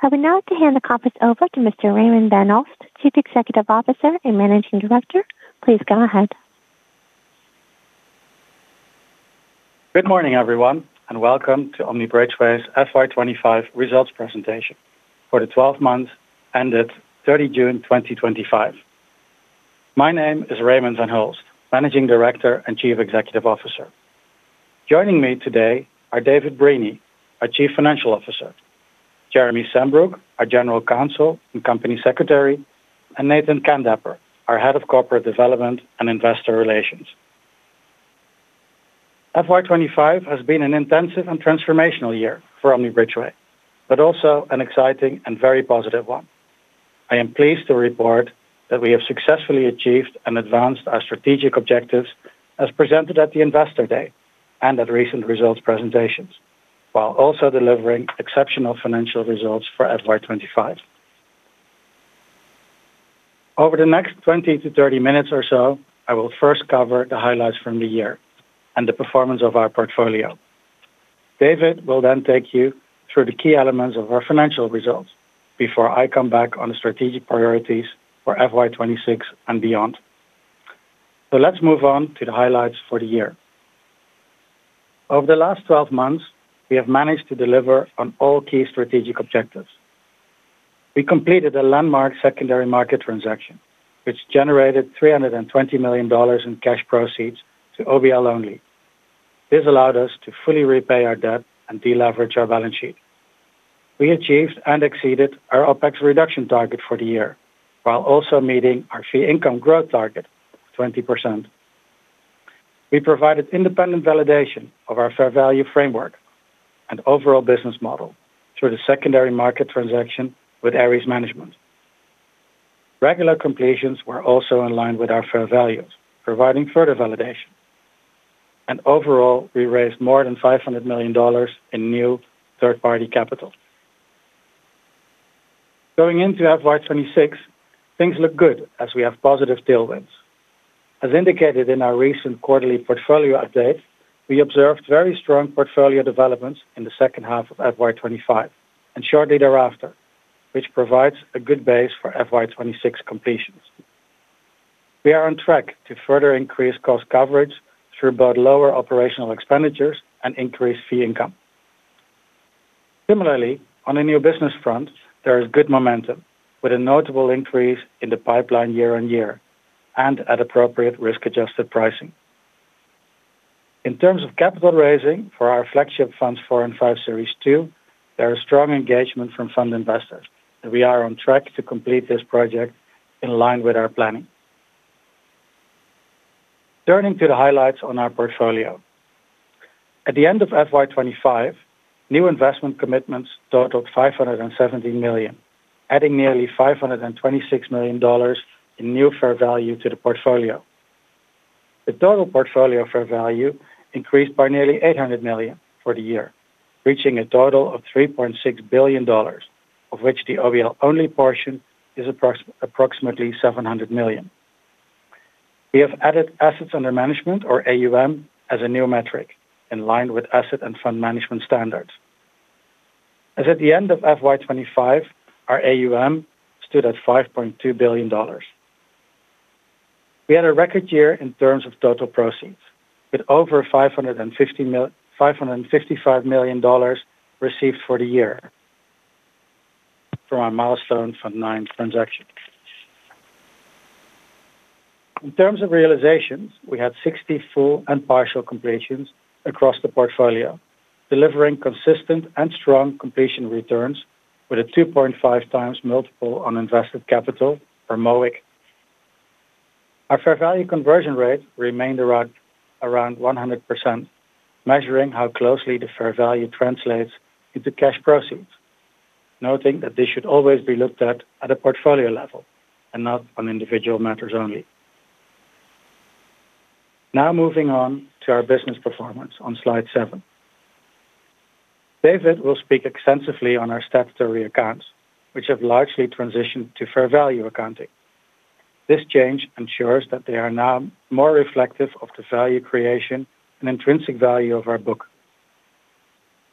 I would now like to hand the conference over to Mr. Raymond Van Hulst, Chief Executive Officer and Managing Director. Please go ahead. Good morning, everyone, and welcome to Omni Bridgeway's FY 2025 Results Presentation for the 12 months ended 30 June 2025. My name is Raymond Van Hulst, Managing Director and Chief Executive Officer. Joining me today are David Breeney, our Chief Financial Officer, Jeremy Sambrook, our General Counsel and Company Secretary, and Nathan Kandapper, our Head of Corporate Development and Investor Relations. FY 2025 has been an intensive and transformational year for Omni Bridgeway, but also an exciting and very positive one. I am pleased to report that we have successfully achieved and advanced our strategic objectives as presented at the Investor Day and at recent results presentations, while also delivering exceptional financial results for FY 2025. Over the next 20 minutes-30 minutes or so, I will first cover the highlights from the year and the performance of our portfolio. David will then take you through the key elements of our financial results before I come back on the strategic priorities for FY 2026 and beyond. Let's move on to the highlights for the year. Over the last 12 months, we have managed to deliver on all key strategic objectives. We completed a landmark secondary market transaction, which generated $320 million in cash proceeds to OBL-only. This allowed us to fully repay our debt and de-leverage our balance sheet. We achieved and exceeded our OpEx reduction target for the year, while also meeting our fee income growth target, 20%. We provided independent validation of our fair value framework and overall business model through the secondary market transaction with Ares Management. Regular completions were also in line with our fair values, providing further validation. Overall, we raised more than $500 million in new third-party capital. Going into FY 2026, things look good as we have positive deal wins. As indicated in our recent quarterly portfolio update, we observed very strong portfolio developments in the second half of FY 2025 and shortly thereafter, which provides a good base for FY 2026 completions. We are on track to further increase cost coverage through both lower operational expenditures and increased fee income. Similarly, on the new business front, there is good momentum with a notable increase in the pipeline year-on-year and at appropriate risk-adjusted pricing. In terms of capital raising for our flagship Fund 4/5 Series II, there is strong engagement from fund investors, and we are on track to complete this project in line with our planning. Turning to the highlights on our portfolio. At the end of FY 2025, new investment commitments totaled $517 million, adding nearly $526 million in new fair value to the portfolio. The total portfolio fair value increased by nearly $800 million for the year, reaching a total of $3.6 billion, of which the OBL-only portion is approximately $700 million. We have added Assets under management, or AUM, as a new metric in line with Asset and Fund Management standards. As at the end of FY 2025, our AUM stood at $5.2 billion. We had a record year in terms of total proceeds, with over $555 million received for the year from our milestone Fund 9 transactions. In terms of realizations, we had 60 full and partial completions across the portfolio, delivering consistent and strong completion returns with a 2.5x Multiple On Invested Capital, or MOIC. Our fair value conversion rate remained around 100%, measuring how closely the fair value translates into cash proceeds, noting that this should always be looked at at a portfolio level and not on individual matters only. Now moving on to our business performance on slide seven. David will speak extensively on our statutory accounts, which have largely transitioned to fair value accounting. This change ensures that they are now more reflective of the value creation and intrinsic value of our book.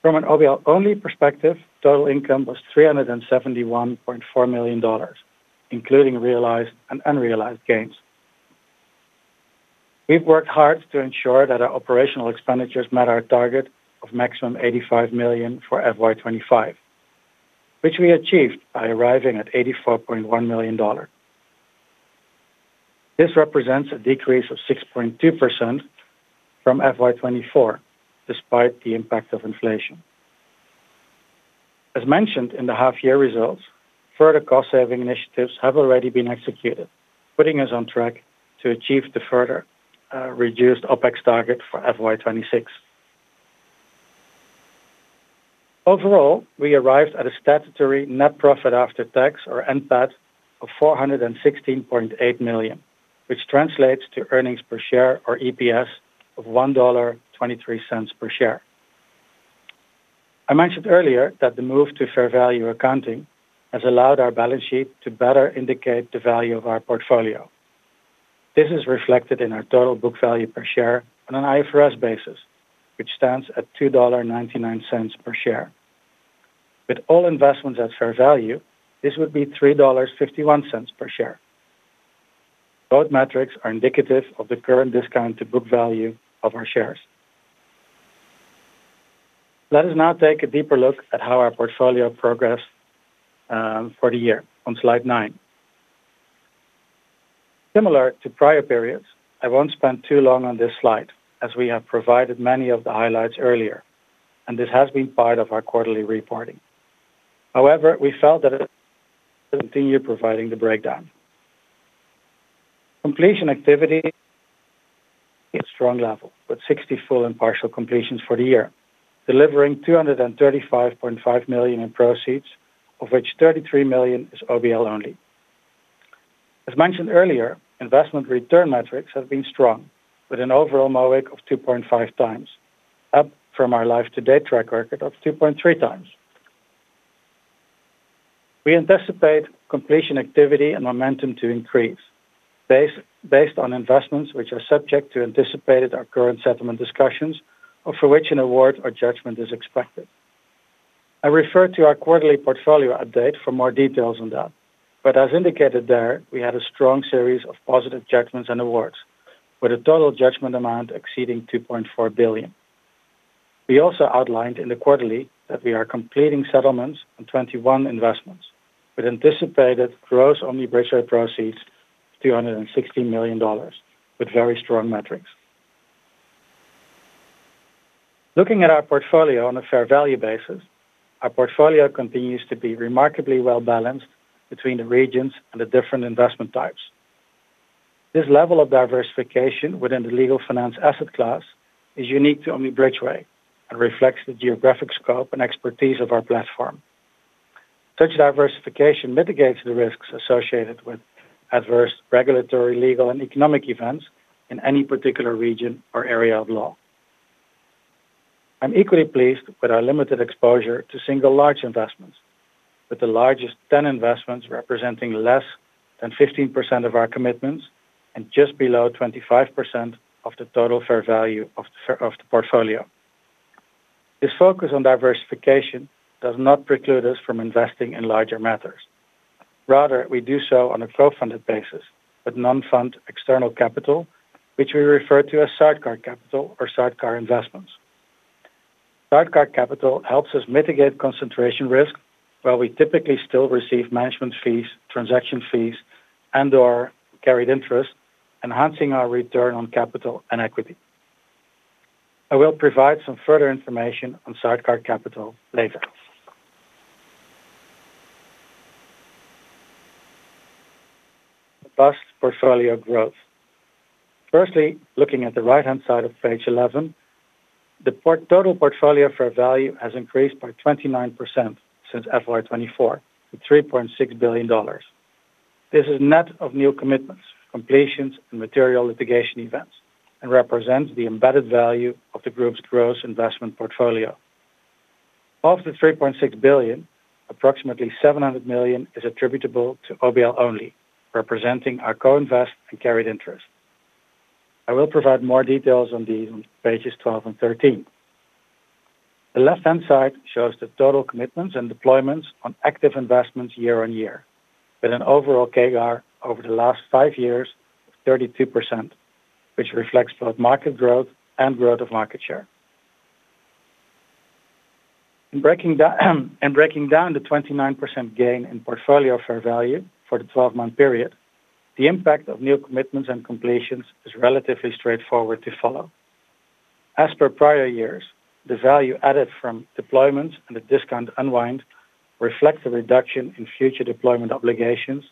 From an OBL-only perspective, total income was $371.4 million, including realized and unrealized gains. We've worked hard to ensure that our operational expenditures met our target of maximum $85 million for FY 2025, which we achieved by arriving at $84.1 million. This represents a decrease of 6.2% from FY 2024, despite the impact of inflation. As mentioned in the half-year results, further cost-saving initiatives have already been executed, putting us on track to achieve the further reduced OpEx target for FY 2026. Overall, we arrived at a statutory Net Profit After Tax, or NPAT, of $416.8 million, which translates to earnings per share, or EPS, of $1.23 per share. I mentioned earlier that the move to fair value accounting has allowed our balance sheet to better indicate the value of our portfolio. This is reflected in our total book value per share on an IFRS basis, which stands at $2.99 per share. With all investments at fair value, this would be $3.51 per share. Both metrics are indicative of the current discount to book value of our shares. Let us now take a deeper look at how our portfolio progressed for the year on slide nine. Similar to prior periods, I won't spend too long on this slide, as we have provided many of the highlights earlier, and this has been part of our quarterly reporting. However, we felt that it should continue providing the breakdown. Completion activity is strong level, with 60 full and partial completions for the year, delivering $235.5 million in proceeds, of which $33 million is OBL-only. As mentioned earlier, investment return metrics have been strong, with an overall MOIC of 2.5x, up from our life-to-date track record of 2.3x. We anticipate completion activity and momentum to increase, based on investments which are subject to anticipated or current settlement discussions, or for which an award or judgment is expected. I refer to our quarterly portfolio update for more details on that, but as indicated there, we had a strong series of positive judgments and awards, with a total judgment amount exceeding $2.4 billion. We also outlined in the quarterly that we are completing settlements on 21 investments, with anticipated gross Omni Bridgeway proceeds of $216 million, with very strong metrics. Looking at our portfolio on a fair value basis, our portfolio continues to be remarkably well balanced between the regions and the different investment types. This level of diversification within the legal finance asset class is unique to Omni Bridgeway and reflects the geographic scope and expertise of our platform. Such diversification mitigates the risks associated with adverse regulatory, legal, and economic events in any particular region or area of law. I'm equally pleased with our limited exposure to single large investments, with the largest 10 investments representing less than 15% of our commitments and just below 25% of the total fair value of the portfolio. This focus on diversification does not preclude us from investing in larger matters. Rather, we do so on a crowdfunded basis with non-fund external capital, which we refer to as sidecar capital or sidecar investments. Sidecar capital helps us mitigate concentration risk, while we typically still receive management fees, transaction fees, and/or carried interest, enhancing our return on capital and equity. I will provide some further information on sidecar capital later. The past portfolio growth. Firstly, looking at the right-hand side of page 11, the total portfolio fair value has increased by 29% since FY 2024, with $3.6 billion. This is net of new commitments, completions, and material litigation events and represents the embedded value of the group's gross investment portfolio. Of the $3.6 billion, approximately $700 million is attributable to OBL-only, representing our co-invest and carried interest. I will provide more details on these on pages 12 and 13. The left-hand side shows the total commitments and deployments on active investments year-on-year, with an overall CAGR over the last five years of 32%, which reflects both market growth and growth of market share. In breaking down the 29% gain in portfolio fair value for the 12-month period, the impact of new commitments and completions is relatively straightforward to follow. As per prior years, the value added from deployments and the discount unwind reflect the reduction in future deployment obligations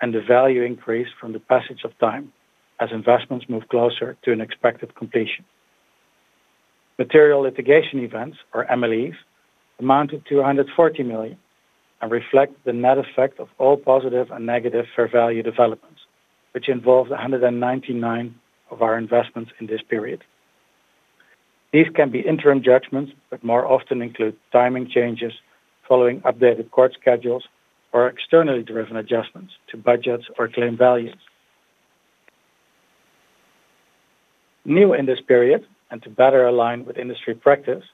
and the value increase from the passage of time as investments move closer to an expected completion. Material Litigation Events, or MLEs, amounted to $240 million and reflect the net effect of all positive and negative fair value developments, which involved 199 of our investments in this period. These can be interim judgments, but more often include timing changes following updated court schedules or externally driven adjustments to budgets or claim values. New in this period, and to better align with industry practice,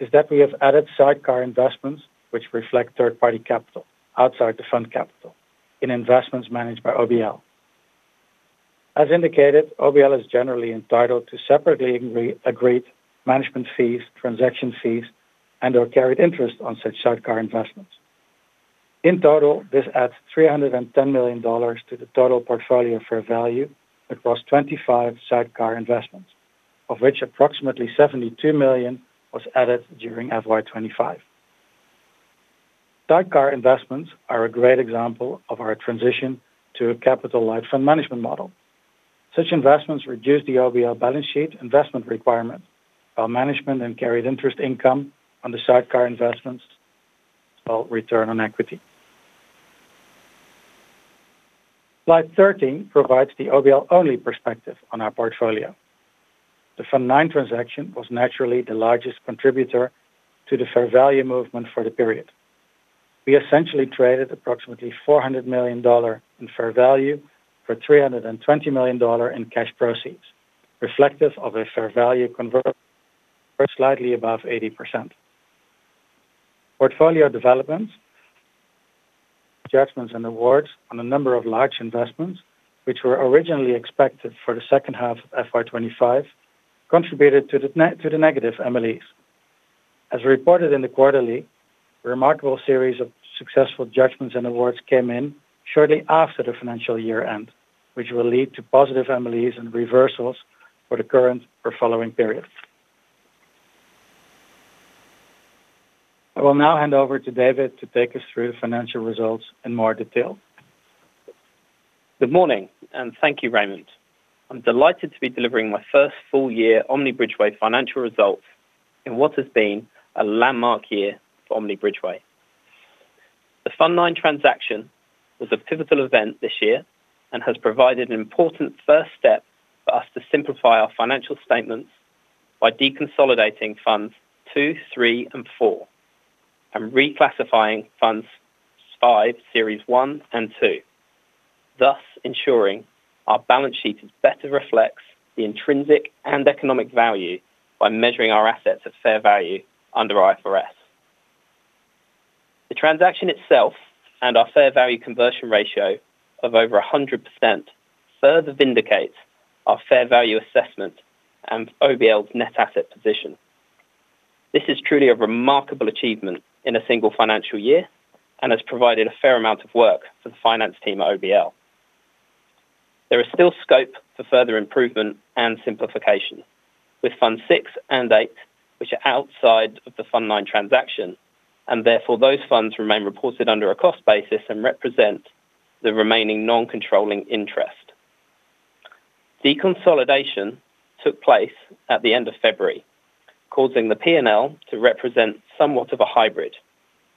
is that we have added sidecar investments, which reflect third-party capital outside the fund capital in investments managed by OBL. As indicated, OBL is generally entitled to separately agreed management fees, transaction fees, and/or carried interest on such sidecar investments. In total, this adds $310 million to the total portfolio fair value across 25 sidecar investments, of which approximately $72 million was added during FY 2025. Sidecar investments are a great example of our transition to a capital-led fund management model. Such investments reduce the OBL balance sheet investment requirement, while management and carried interest income on the sidecar investments will return on equity. Slide 13 provides the OBL-only perspective on our portfolio. The Fund 9 transaction was naturally the largest contributor to the fair value movement for the period. We essentially traded approximately $400 million in fair value for $320 million in cash proceeds, reflective of a fair value conversion rate slightly above 80%. Portfolio developments, judgments, and awards on a number of large investments, which were originally expected for the second half of FY 2025, contributed to the negative MLEs. As reported in the quarterly, a remarkable series of successful judgments and awards came in shortly after the financial year ends, which will lead to positive MLEs and reversals for the current or following periods. I will now hand over to David to take us through the financial results in more detail. Good morning, and thank you, Raymond. I'm delighted to be delivering my first full-year Omni Bridgeway financial result in what has been a landmark year for Omni Bridgeway. The Fund 9 transaction was a pivotal event this year and has provided an important first step for us to simplify our financial statements by deconsolidating Funds 2, 3, and 4, and reclassifying Funds 5, Series I and II, thus ensuring our balance sheet better reflects the intrinsic and economic value by measuring our assets at fair value under IFRS. The transaction itself and our fair value conversion ratio of over 100% further vindicate our fair value assessment and OBL's net asset position. This is truly a remarkable achievement in a single financial year and has provided a fair amount of work for the finance team at OBL. There is still scope for further improvement and simplification with Fund 6 and 8, which are outside of the Fund 9 transaction, and therefore those funds remain reported under a cost basis and represent the remaining non-controlling interest. Deconsolidation took place at the end of February, causing the P&L to represent somewhat of a hybrid,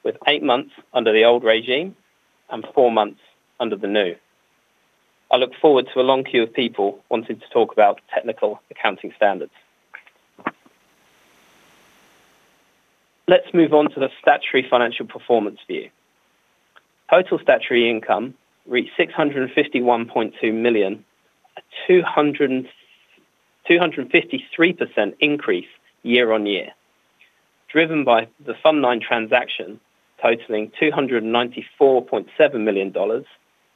with eight months under the old regime and four months under the new. I look forward to a long queue of people wanting to talk about technical accounting standards. Let's move on to the statutory financial performance view. Total statutory income reached $651.2 million, a 253% increase year-on-year, driven by the Fund 9 transaction totaling $294.7 million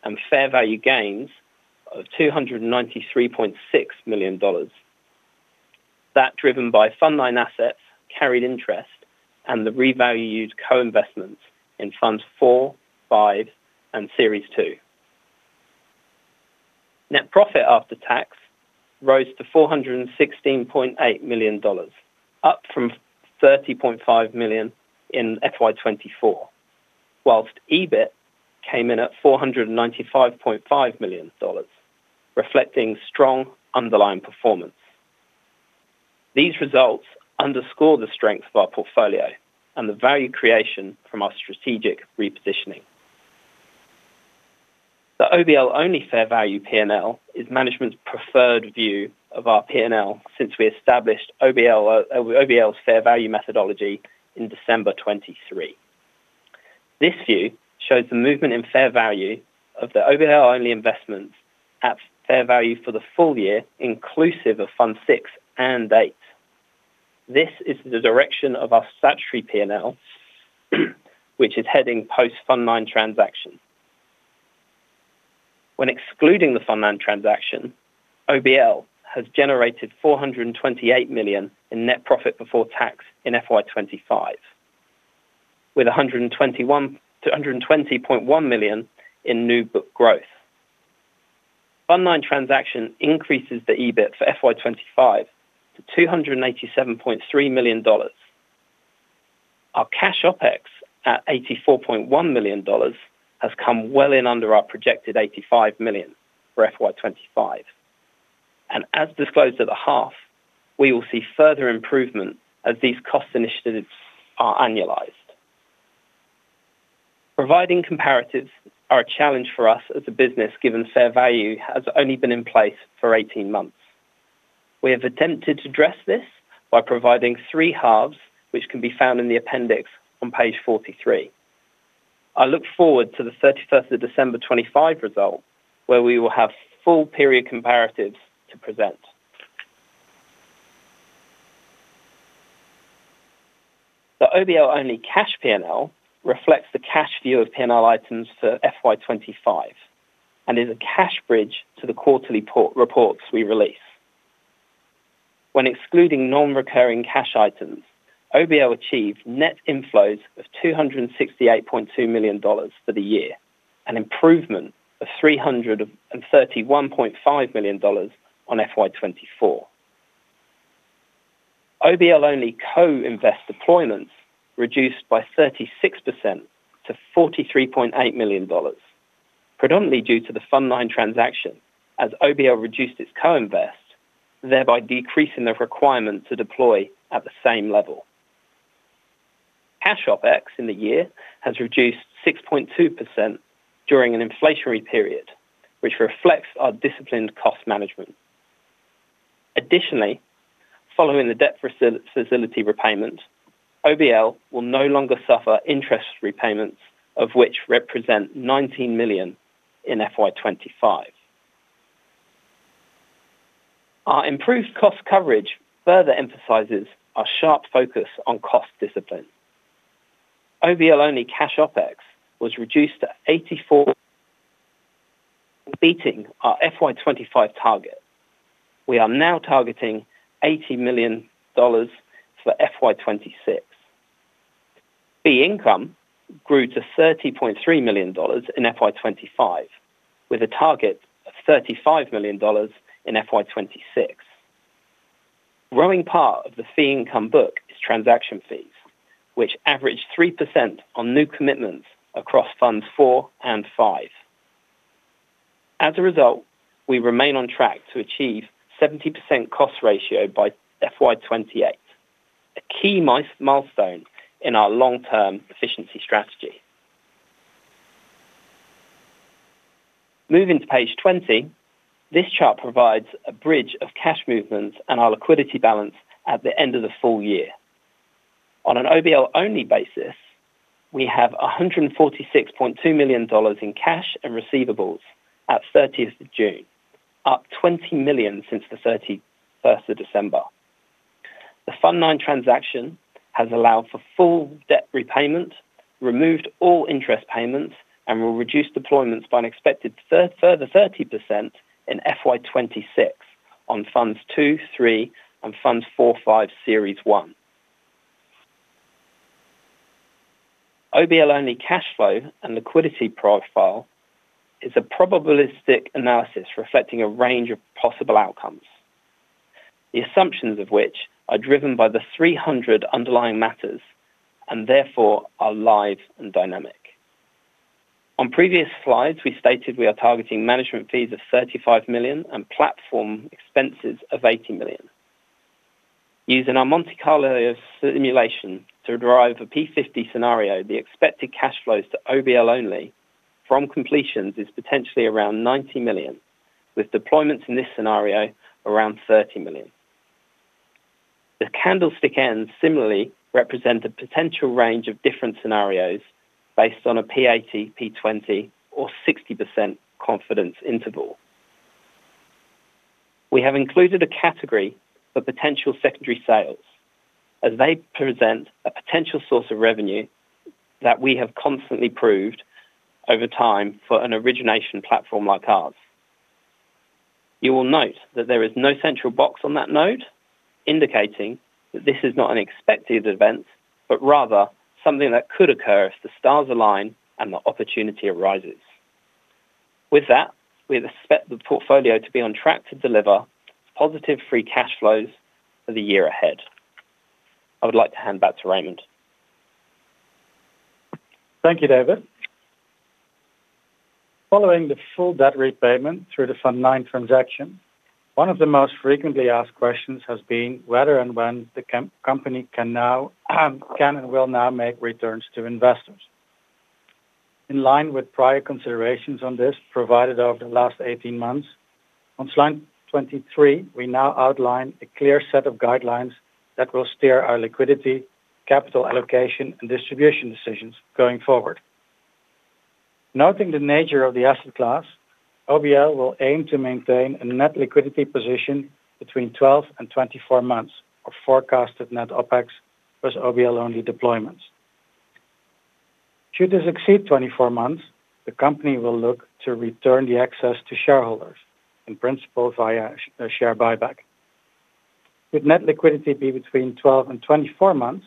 and fair value gains of $293.6 million, that driven by Fund 9 assets, carried interest, and the revalued co-investments in Funds 4, 5, and Series II. Net profit after tax rose to $416.8 million, up from $30.5 million in FY 2024, whilst EBIT came in at $495.5 million, reflecting strong underlying performance. These results underscore the strength of our portfolio and the value creation from our strategic repositioning. The OBL-only fair value P&L is management's preferred view of our P&L since we established OBL's fair value methodology in December 2023. This view shows the movement in fair value of the OBL-only investments at fair value for the full year, inclusive of Fund 6 and 8. This is the direction of our statutory P&L, which is heading post Fund 9 transaction. When excluding the Fund 9 transaction, OBL has generated $428 million in net profit before tax in FY 2025, with $120.1 million in new book growth. The Fund 9 transaction increases the EBIT for FY 2025 to $287.3 million. Our cash OpEx at $84.1 million has come well in under our projected $85 million for FY 2025. As disclosed at the half, we will see further improvement as these cost initiatives are annualized. Providing comparatives is a challenge for us as a business, given fair value has only been in place for 18 months. We have attempted to address this by providing three halves, which can be found in the appendix on page 43. I look forward to the 31st of December 2025 result, where we will have full period comparatives to present. The OBL-only cash P&L reflects the cash view of P&L items for FY 2025 and is a cash bridge to the quarterly reports we release. When excluding non-recurring cash items, OBL achieved net inflows of $268.2 million for the year, an improvement of $331.5 million on FY 2024. OBL-only co-invest deployments reduced by 36% to $43.8 million, predominantly due to the Fund 9 transaction, as OBL reduced its co-invest, thereby decreasing the requirement to deploy at the same level. Cash OpEx in the year has reduced 6.2% during an inflationary period, which reflects our disciplined cost management. Additionally, following the debt facility repayment, OBL will no longer suffer interest repayments, of which represent $19 million in FY 2025. Our improved cost coverage further emphasizes our sharp focus on cost discipline. OBL-only cash OpEx was reduced to $84 million, beating our FY 2025 target. We are now targeting $80 million for FY 2026. Fee income grew to $30.3 million in FY 2025, with a target of $35 million in FY 2026. Growing part of the fee income book is transaction fees, which average 3% on new commitments across Funds 4 and 5. As a result, we remain on track to achieve a 70% cost ratio by FY 2028, a key milestone in our long-term efficiency strategy. Moving to page 20, this chart provides a bridge of cash movements and our liquidity balance at the end of the full year. On an OBL-only basis, we have $146.2 million in cash and receivables at 30th June, up $20 million since 31st of December. The Fund 9 transaction has allowed for full debt repayment, removed all interest payments, and will reduce deployments by an expected further 30% in FY 2026 on Funds 2, 3, and Funds 4/5 Series I. OBL-only cash flow and liquidity profile is a probabilistic analysis reflecting a range of possible outcomes, the assumptions of which are driven by the 300 underlying matters and therefore are live and dynamic. On previous slides, we stated we are targeting management fees of $35 million and platform expenses of $80 million. Using our Monte Carlo simulation to drive a P50 scenario, the expected cash flows to OBL-only from completions is potentially around $90 million, with deployments in this scenario around $30 million. The candlestick ends similarly represent a potential range of different scenarios based on a P80, P20, or 60% confidence interval. We have included a category for potential secondary sales, as they present a potential source of revenue that we have constantly proved over time for an origination platform like ours. You will note that there is no central box on that node, indicating that this is not an expected event, but rather something that could occur if the stars align and the opportunity arises. With that, we expect the portfolio to be on track to deliver positive free cash flows for the year ahead. I would like to hand back to Raymond. Thank you, David. Following the full debt repayment through the Fund 9 transaction, one of the most frequently asked questions has been whether and when the company can now, can and will now make returns to investors. In line with prior considerations on this provided over the last 18 months, on slide 23, we now outline a clear set of guidelines that will steer our liquidity, capital allocation, and distribution decisions going forward. Noting the nature of the asset class, OBL will aim to maintain a net liquidity position between 12 and 24 months of forecasted net OpEx plus OBL-only deployments. Should this exceed 24 months, the company will look to return the excess to shareholders, in principle via a share buyback. Should net liquidity be between 12 and 24 months,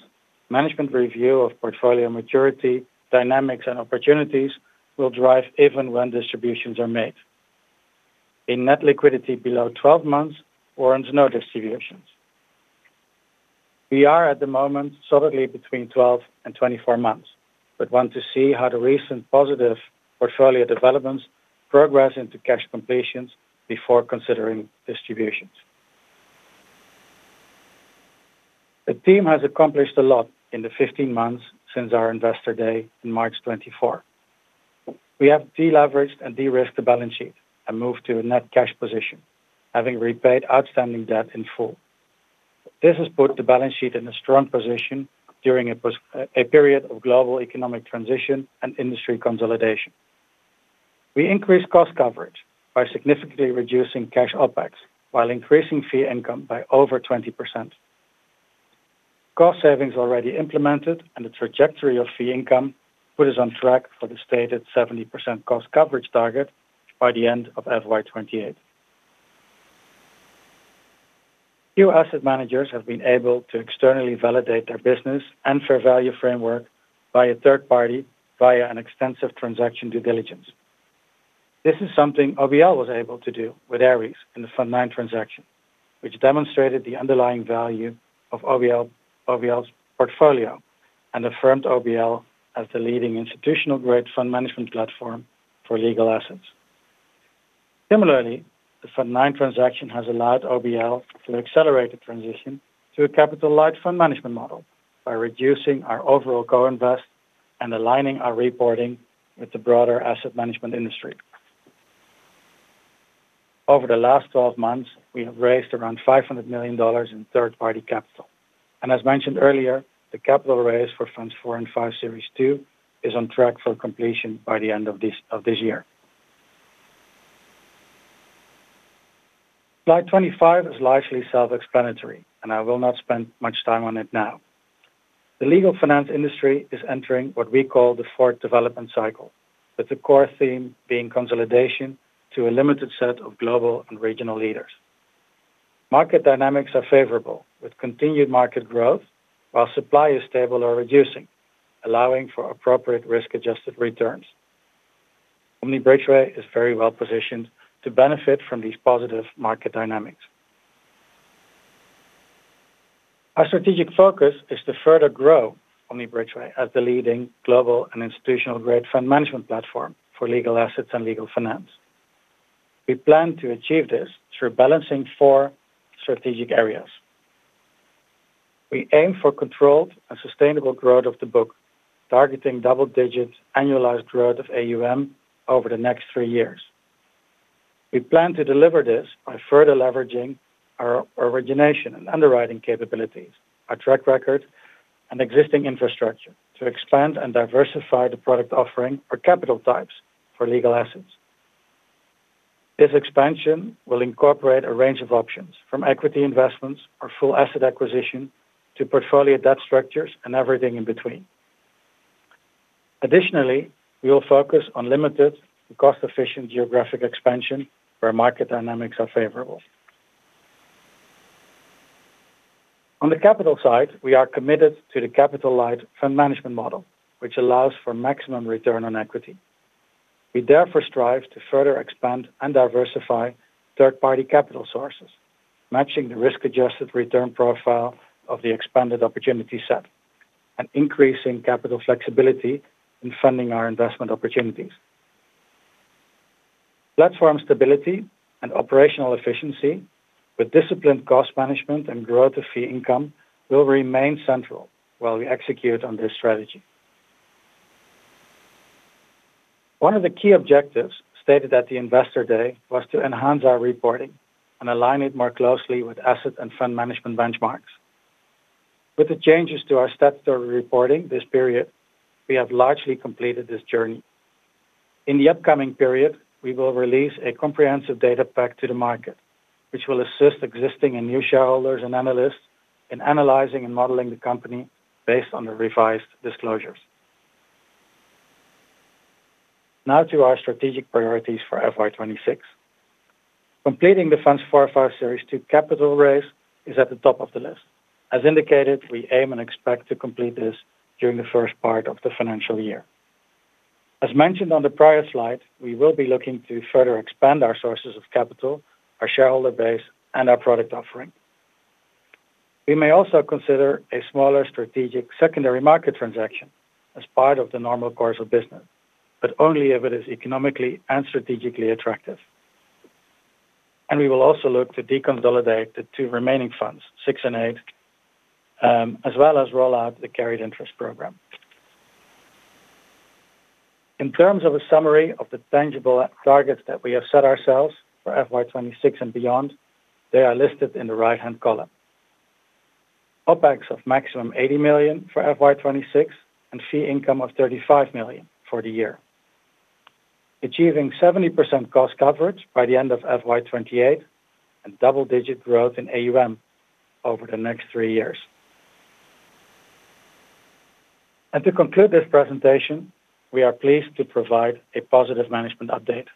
management review of portfolio maturity, dynamics, and opportunities will drive even when distributions are made. A net liquidity below 12 months warrants no distributions. We are at the moment solidly between 12 and 24 months, but want to see how the recent positive portfolio developments progress into cash completions before considering distributions. The team has accomplished a lot in the 15 months since our Investor Day in March 2024. We have de-leveraged and de-risked the balance sheet and moved to a net cash position, having repaid outstanding debt in full. This has put the balance sheet in a strong position during a period of global economic transition and industry consolidation. We increased cost coverage by significantly reducing cash OpEx, while increasing fee income by over 20%. Cost savings are already implemented, and the trajectory of fee income put us on track for the stated 70% cost coverage target by the end of FY 2028. Few asset managers have been able to externally validate their business and fair value framework by a third party via an extensive transaction due diligence. This is something OBL was able to do with Ares in the Fund 9 transaction, which demonstrated the underlying value of OBL's portfolio and affirmed OBL as the leading institutional-grade fund management platform for legal assets. Similarly, the Fund 9 transaction has allowed OBL to accelerate the transition to a capital-led fund management model by reducing our overall co-invest and aligning our reporting with the broader asset management industry. Over the last 12 months, we have raised around $500 million in third-party capital. As mentioned earlier, the capital raise for Fund 4 and 5 Series II is on track for completion by the end of this year. Slide 25 is largely self-explanatory, and I will not spend much time on it now. The legal finance industry is entering what we call the fourth development cycle, with the core theme being consolidation to a limited set of global and regional leaders. Market dynamics are favorable, with continued market growth, while supply is stable or reducing, allowing for appropriate risk-adjusted returns. Omni Bridgeway is very well positioned to benefit from these positive market dynamics. Our strategic focus is to further grow Omni Bridgeway as the leading global and institutional-grade fund management platform for legal assets and legal finance. We plan to achieve this through balancing four strategic areas. We aim for controlled and sustainable growth of the book, targeting double-digit annualized growth of AUM over the next three years. We plan to deliver this by further leveraging our origination and underwriting capabilities, our track record, and existing infrastructure to expand and diversify the product offering or capital types for legal assets. This expansion will incorporate a range of options from equity investments or full asset acquisition to portfolio debt structures and everything in between. Additionally, we will focus on limited and cost-efficient geographic expansion where market dynamics are favorable. On the capital side, we are committed to the capital-led fund management model, which allows for maximum return on equity. We therefore strive to further expand and diversify third-party capital sources, matching the risk-adjusted return profile of the expanded opportunity set and increasing capital flexibility in funding our investment opportunities. Platform stability and operational efficiency, with disciplined cost management and growth of fee income, will remain central while we execute on this strategy. One of the key objectives stated at the Investor Day was to enhance our reporting and align it more closely with asset and fund management benchmarks. With the changes to our statutory reporting this period, we have largely completed this journey. In the upcoming period, we will release a comprehensive data pack to the market, which will assist existing and new shareholders and analysts in analyzing and modeling the company based on the revised disclosures. Now to our strategic priorities for FY 2026. Completing the Fund 4/5 Series II capital raise is at the top of the list. As indicated, we aim and expect to complete this during the first part of the financial year. As mentioned on the prior slide, we will be looking to further expand our sources of capital, our shareholder base, and our product offering. We may also consider a smaller strategic secondary market transaction as part of the normal course of business, only if it is economically and strategically attractive. We will also look to deconsolidate the two remaining Funds, 6 and 8, as well as roll out the carried interest program. In terms of a summary of the tangible targets that we have set ourselves for FY 2026 and beyond, they are listed in the right-hand column. OpEx of maximum $80 million for FY 2026 and fee income of $35 million for the year. Achieving 70% cost coverage by the end of FY 2028 and double-digit growth in AUM over the next three years. To conclude this presentation, we are pleased to provide a positive management update.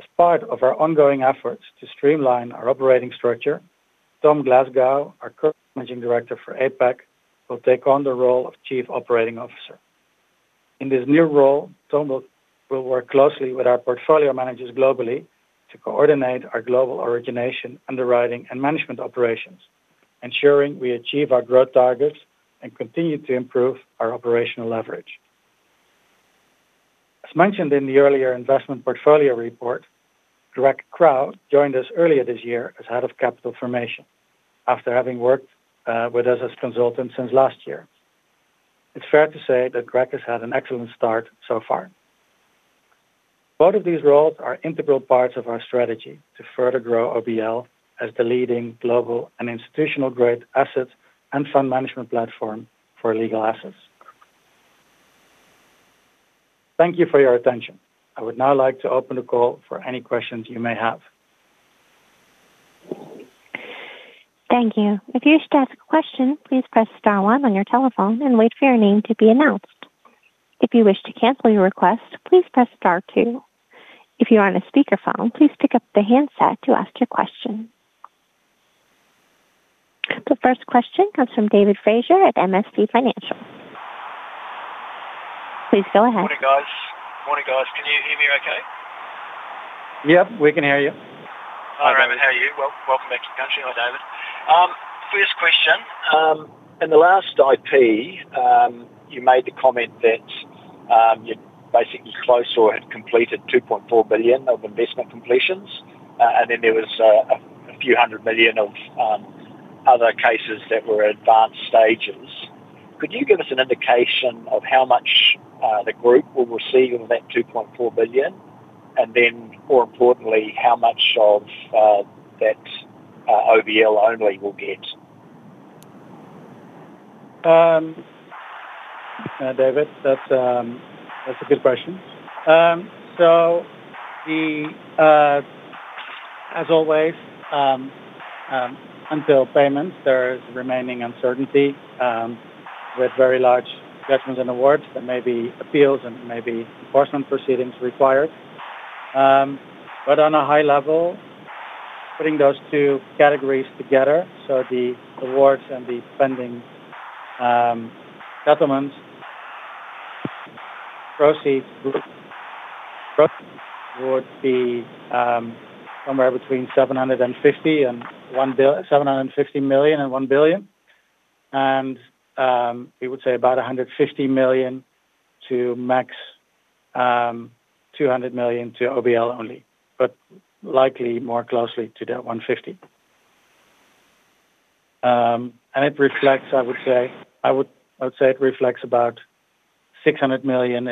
As part of our ongoing efforts to streamline our operating structure, Tom Glasgow, our current Managing Director for APAC, will take on the role of Chief Operating Officer. In this new role, Tom will work closely with our portfolio managers globally to coordinate our global origination, underwriting, and management operations, ensuring we achieve our growth targets and continue to improve our operational leverage. As mentioned in the earlier investment portfolio report, Greg Crowe joined us earlier this year as Head of Capital Formation, after having worked with us as consultants since last year. It's fair to say that Greg has had an excellent start so far. Both of these roles are integral parts of our strategy to further grow OBL as the leading global and institutional-grade assets and fund management platform for legal assets. Thank you for your attention. I would now like to open the call for any questions you may have. Thank you. If you wish to ask a question, please press star one on your telephone and wait for your name to be announced. If you wish to cancel your request, please press star two. If you are on a speaker phone, please pick up the handset to ask your question. The first question comes from David Fraser at MST Financial. Please go ahead. Morning, guys. Can you hear me okay? Yep, we can hear you. Hi, Raymond. How are you? Welcome back to the country. I'm David. First question. In the last IP, you made the comment that you basically closed or had completed $2.4 billion of investment completions, and then there was a few hundred million of other cases that were at advanced stages. Could you give us an indication of how much the group will receive of that $2.4 billion? More importantly, how much of that OBL-only will get? David, that's a good question. As always, until payments, there is the remaining uncertainty with very large judgments and awards that may be appeals and maybe apportionment proceedings required. On a high level, putting those two categories together, the awards and the funding settlements, proceeds would be somewhere between $750 million and $1 billion. We would say about $150 million to max $200 million to OBL-only, but likely more closely to that $150 million. It reflects, I would say, about $600 million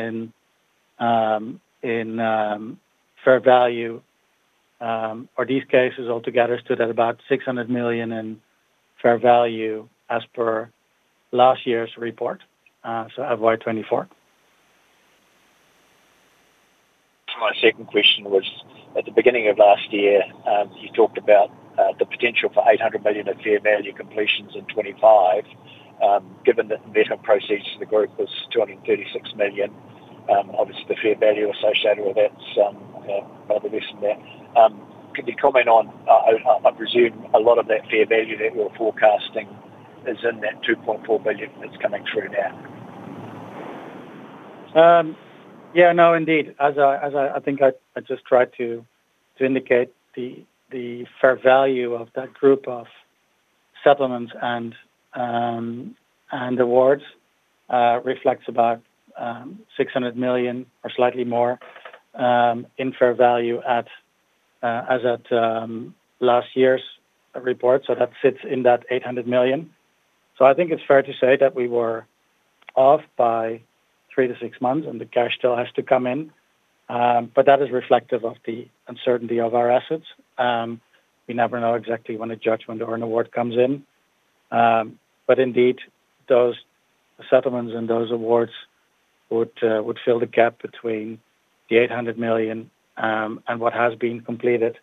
in fair value, or these cases altogether stood at about $600 million in fair value as per last year's report, so FY 2024. My second question was, at the beginning of last year, you talked about the potential for $800 million of fair value completions in 2025. Given that the net of proceeds in the group was $236 million, obviously, the fair value associated with that's probably less than that. Could you comment on, I presume, a lot of that fair value that we're forecasting is in that $2.4 billion that's coming through now? Yeah, no, indeed. As I think I just tried to indicate, the fair value of that group of settlements and awards reflects about $600 million or slightly more in fair value as at last year's report. That sits in that $800 million. I think it's fair to say that we were off by three to six months, and the cash still has to come in. That is reflective of the uncertainty of our assets. We never know exactly when a judgment or an award comes in. Indeed, those settlements and those awards would fill the gap between the $800 million and what has been completed,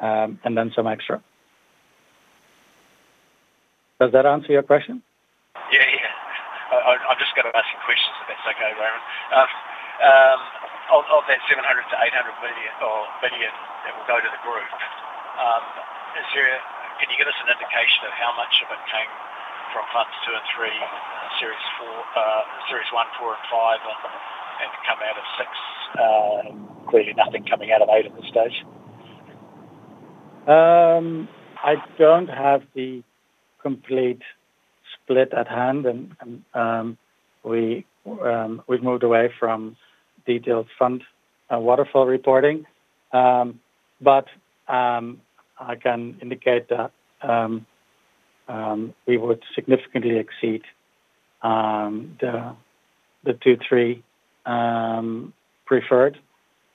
and then some extra. Does that answer your question? Yeah, yeah. I'm just going to ask you questions if that's okay, Raymond. Of that $700 million-$800 million that will go to the group, can you give us an indication of how much of it came from Funds 2 and 3, Series I, Funds 4, and 5 and come out of 6? Clearly, nothing coming out of Fund 8 at this stage. I don't have the complete split at hand, and we've moved away from detailed fund waterfall reporting. I can indicate that we would significantly exceed the Fund 2, 3 preferred.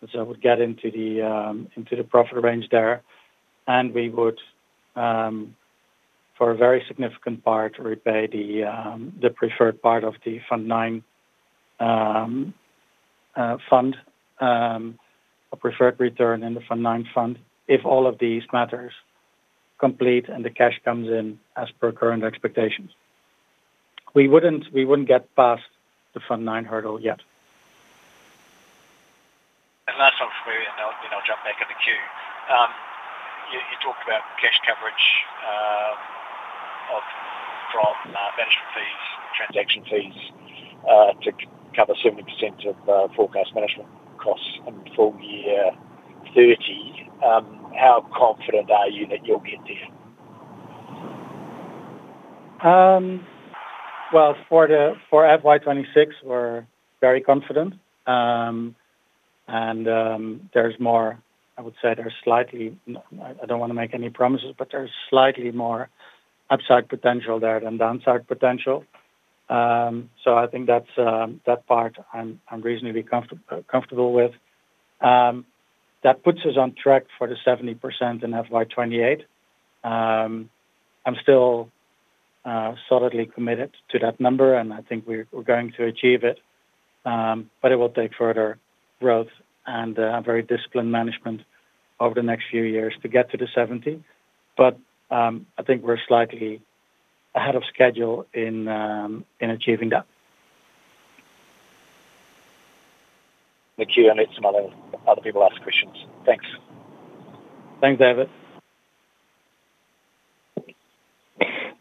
We'd get into the profit range there, and we would, for a very significant part, repay the preferred part of the Fund 9 fund, a preferred return in the Fund 9 fund, if all of these matters complete and the cash comes in as per current expectations. We wouldn't get past the Fund 9 hurdle yet. That's not free. I'll jump back in the queue. You talked about cash coverage from management fees, transaction fees to cover 70% of forecast management costs in full year 2030. How confident are you that you'll get there? For FY 2026, we're very confident. There's more, I would say there's slightly, I don't want to make any promises, but there's slightly more upside potential there than downside potential. I think that's that part I'm reasonably comfortable with. That puts us on track for the 70% in FY 2028. I'm still solidly committed to that number, and I think we're going to achieve it. It will take further growth and very disciplined management over the next few years to get to the 70%. I think we're slightly ahead of schedule in achieving that. The queue and it's smiling. Other people ask questions. Thanks. Thanks, David.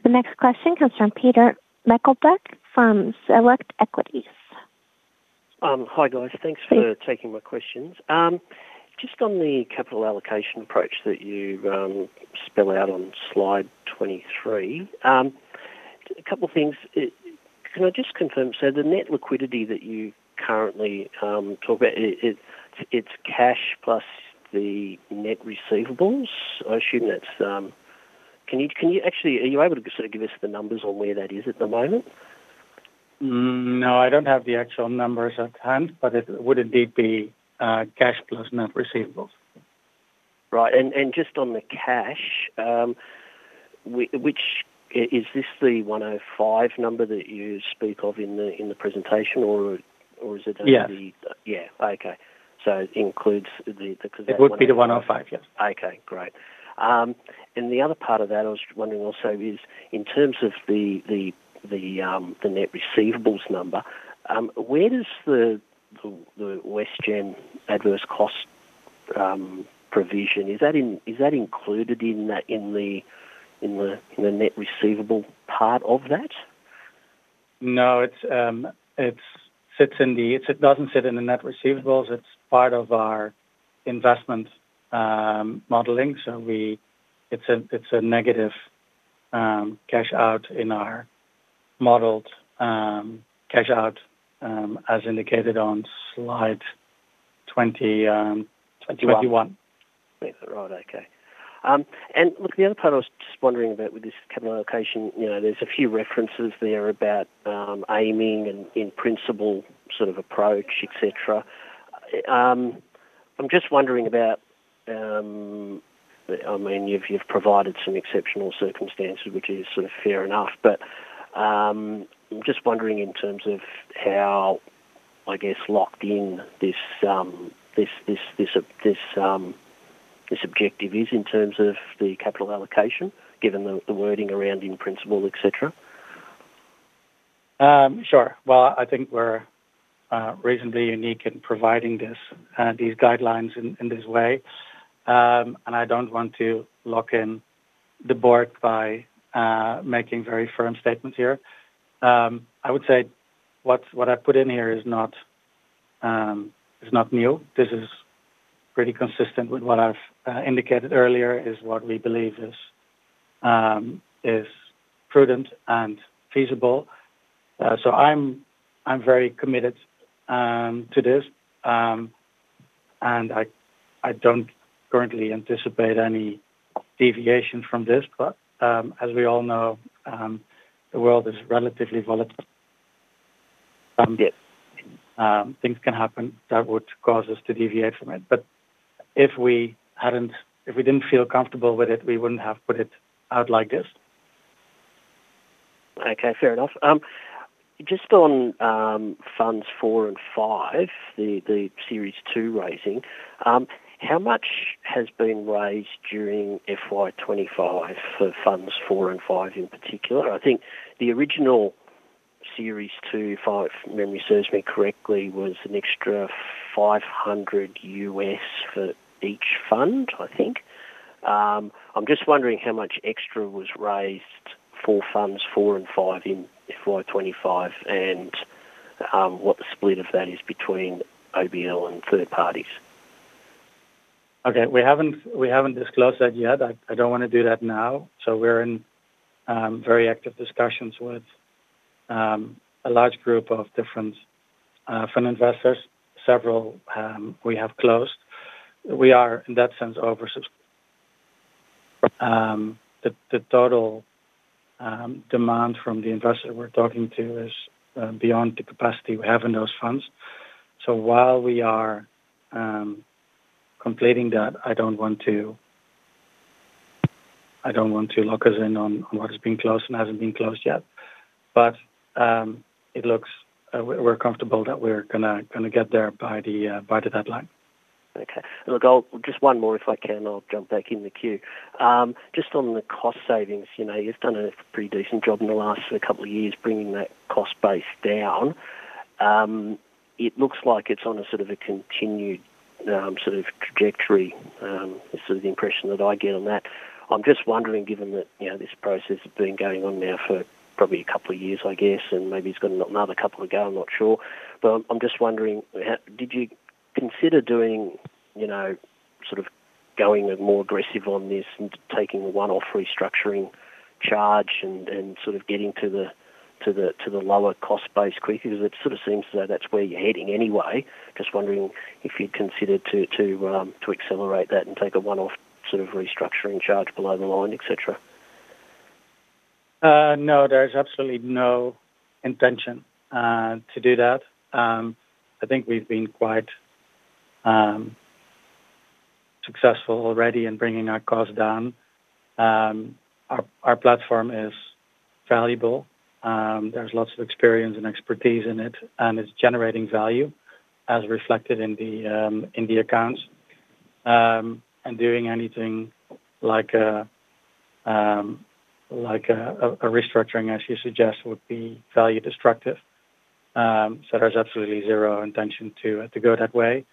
The next question comes from Peter Meichelboeck from Select Equities. Hi, guys. Thanks for taking my questions. Just on the capital allocation approach that you spell out on slide 23, a couple of things. Can I just confirm, so the net liquidity that you currently talk about, it's cash plus the net receivables? I assume that's, can you actually, are you able to sort of give us the numbers on where that is at the moment? No, I don't have the actual numbers at hand, but it would indeed be cash plus net receivables. Right. Just on the cash, is this the $105 million number that you speak of in the presentation, or is it just the? Yeah. Yeah, okay. It includes the. It would be the $105 million, yes. Okay. Great. The other part of that I was wondering also is in terms of the net receivables number, where does the Westgem adverse cost provision, is that included in the net receivable part of that? No, it doesn't sit in the net receivables. It's part of our investment modeling. It's a negative cash out in our modeled cash out as indicated on slide 20. Right. Okay. The other part I was just wondering about with this capital allocation, you know there's a few references there about aiming and in principle sort of approach, etc. I'm just wondering about, I mean, you've provided some exceptional circumstances, which is sort of fair enough. I'm just wondering in terms of how, I guess, locked in this objective is in terms of the capital allocation, given the wording around in principle, etc. Sure. I think we're reasonably unique in providing these guidelines in this way. I don't want to lock in the board by making very firm statements here. I would say what I put in here is not new. This is pretty consistent with what I've indicated earlier is what we believe is prudent and feasible. I'm very committed to this. I don't currently anticipate any deviations from this. As we all know, the world is relatively volatile. Yes. Things can happen that would cause us to deviate from it. If we didn't feel comfortable with it, we wouldn't have put it out like this. Okay. Fair enough. Just on Fund 4/5 Series II raising, how much has been raised during FY 2025 for Fund 4/5 Series II in particular? I think the original Series II, if my memory serves me correctly, was an extra $500 million for each fund, I think. I'm just wondering how much extra was raised for Fund 4/5 Series II in FY 2025 and what the split of that is between OBL and third-party capital. We haven't disclosed that yet. I don't want to do that now. We're in very active discussions with a large group of different fund investors. Several we have closed. We are, in that sense, oversubsidized. The total demand from the investors we're talking to is beyond the capacity we have in those funds. While we are completing that, I don't want to lock us in on what has been closed and hasn't been closed yet. It looks like we're comfortable that we're going to get there by the deadline. Okay. Look, just one more if I can, I'll jump back in the queue. Just on the cost savings, you've done a pretty decent job in the last couple of years bringing that cost base down. It looks like it's on a continued sort of trajectory, is the impression that I get on that. I'm just wondering, given that this process has been going on now for probably a couple of years, I guess, and maybe it's got another couple to go, I'm not sure. I'm just wondering, did you consider going more aggressive on this and taking a one-off restructuring charge and getting to the lower cost base quickly? Because it seems that that's where you're heading anyway. Just wondering if you'd consider to accelerate that and take a one-off restructuring charge below the line, etc. No, there is absolutely no intention to do that. I think we've been quite successful already in bringing our cost down. Our platform is valuable, there's lots of experience and expertise in it, and it's generating value as reflected in the accounts. Doing anything like a restructuring, as you suggest, would be value destructive. There is absolutely zero intention to go that way.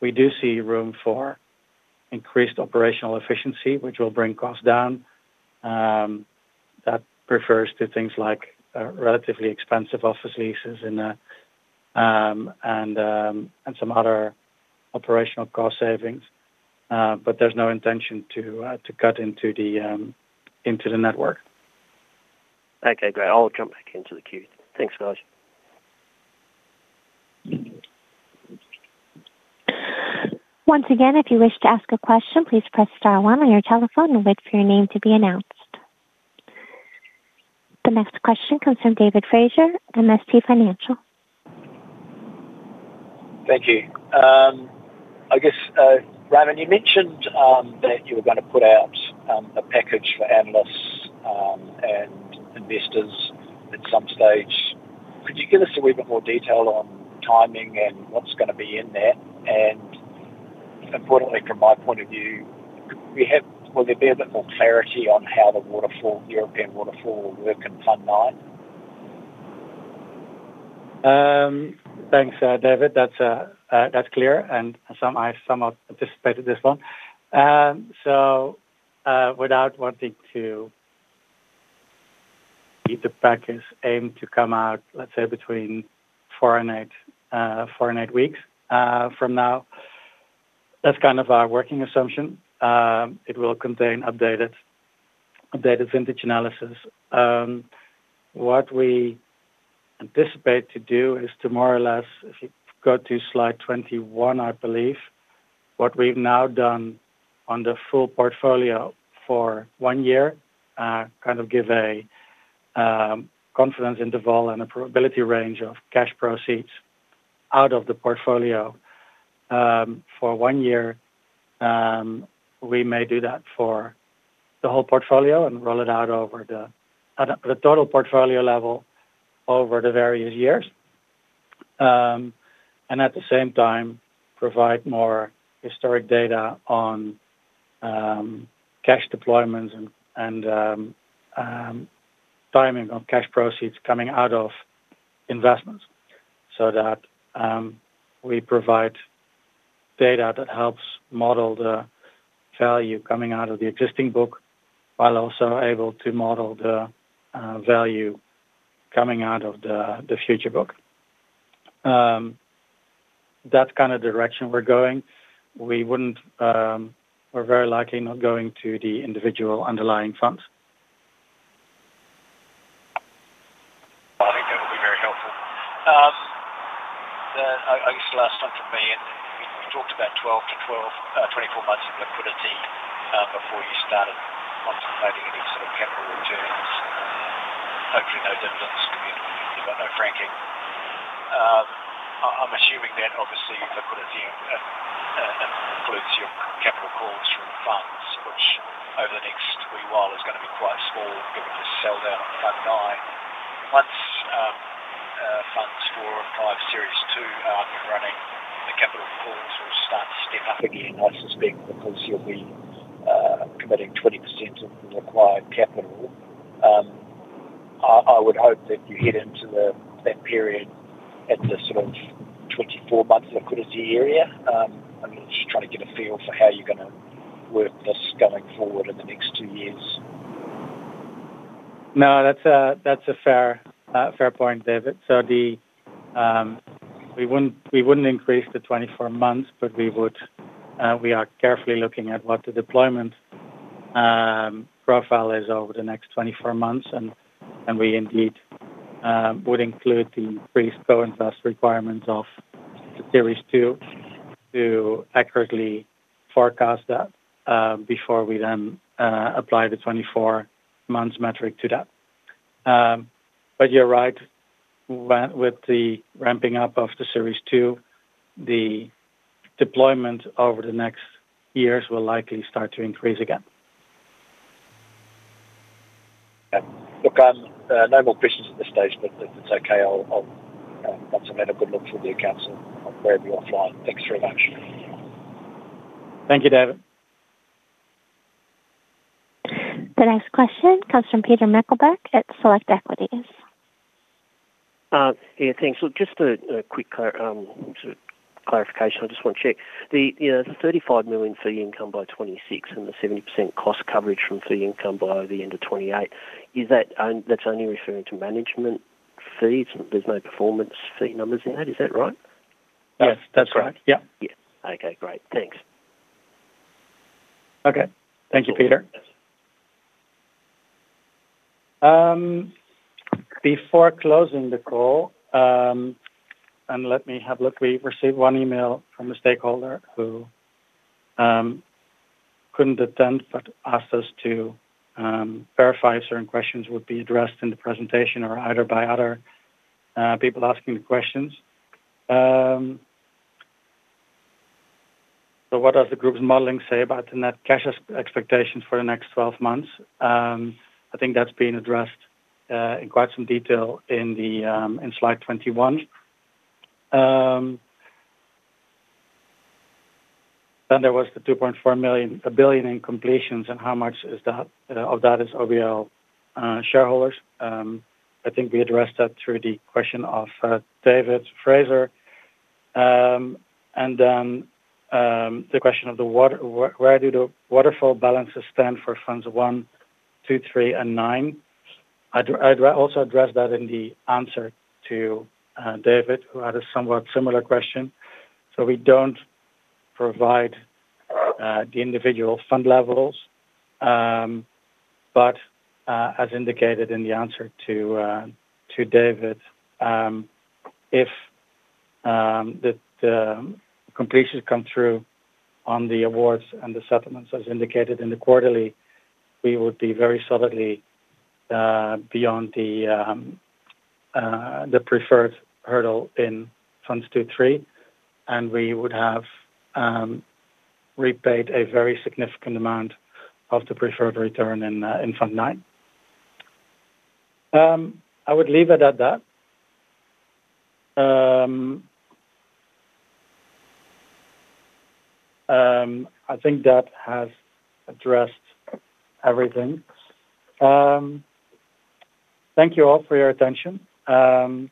We do see room for increased operational efficiency, which will bring costs down. That refers to things like relatively expensive office leases and some other operational cost savings. There's no intention to cut into the network. Okay. Great. I'll come back into the queue. Thanks, guys. Once again, if you wish to ask a question, please press star one on your telephone and wait for your name to be announced. The next question comes from David Fraser, MST Financial. I guess, Raymond, you mentioned that you were going to put out a package for analysts and investors at some stage. Could you give us a bit more detail on timing and what's going to be in that? Importantly, from my point of view, will there be a bit more clarity on how the European Waterfall will work in Fund 9? Thanks, David. That's clear. I somewhat anticipated this one. If the pack is aimed to come out, let's say, between four and eight weeks from now, that's kind of our working assumption. It will contain updated vintage analysis. What we anticipate to do is to more or less, if you go to slide 21, I believe, what we've now done on the full portfolio for one year, kind of give a confidence interval and a probability range of cash proceeds out of the portfolio for one year. We may do that for the whole portfolio and roll it out over the total portfolio level over the various years. At the same time, provide more historic data on cash deployments and timing on cash proceeds coming out of investments so that we provide data that helps model the value coming out of the existing book, while also able to model the value coming out of the future book. That's the kind of direction we're going. We're very likely not going to the individual underlying funds. I guess the last one for me, we've talked about 12 to 24 months of liquidity before you started quantifying any sort of capital returns. Hopefully, those are not, you've got no franking. I'm assuming that, obviously, liquidity includes your capital calls from the funds, which over the next week while is going to be quite small given the sell-down Fund 9. Once Fund 4/5 Series II are up and running, the capital pools will start to spin up again nice and big because you'll be committing 20% of the acquired capital. I would hope that you head into that period at the sort of 24 months liquidity area. I'm just trying to get a feel for how you're going to work this going forward in the next two years. No, that's a fair point, David. We wouldn't increase the 24 months, but we are carefully looking at what the deployment profile is over the next 24 months. We indeed would include the pre-spo and thus requirements of the Series II to accurately forecast that before we then apply the 24 months metric to that. You're right, with the ramping up of the Series II, the deployment over the next years will likely start to increase again. Okay. No more questions at this stage. If it's okay, once I've had a good look through the accounts, I'll clear the offline. Thanks very much. Thank you, David. The next question comes from Peter Meichelboeck at Select Equities. Yeah, thanks. Look, just a quick sort of clarification. I just want to check. The $35 million fee income by 2026 and the 70% cost coverage from fee income by the end of 2028, is that only referring to management fees? There's no performance fee numbers in that. Is that right? Yes, that's right. Yeah. Yeah, okay. Great, thanks. Okay. Thank you, Peter. Before closing the call, let me have a look. We received one email from a stakeholder who couldn't attend but asked us to verify if certain questions would be addressed in the presentation or either by other people asking the questions. What does the group's modeling say about the net cash expectations for the next 12 months? I think that's been addressed in quite some detail in slide 21. There was the $2.4 billion in completions and how much of that is OBL shareholders. I think we addressed that through the question of David Fraser. The question of where do the waterfall balances stand for Funds 1, 2, 3, and 9 was also addressed in the answer to David, who had a somewhat similar question. We don't provide the individual fund levels, but as indicated in the answer to David, if the completions come through on the awards and the settlements, as indicated in the quarterly, we would be very solidly beyond the preferred hurdle in Funds 2 and 3, and we would have repaid a very significant amount of the preferred return in Fund 9. I would leave it at that. I think that has addressed everything. Thank you all for your attention. I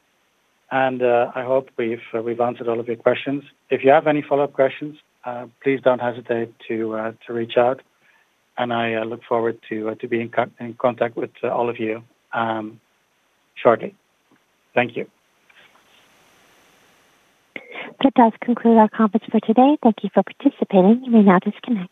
hope we've answered all of your questions. If you have any follow-up questions, please don't hesitate to reach out. I look forward to being in contact with all of you shortly. Thank you. That does conclude our conference for today. Thank you for participating. You may now disconnect.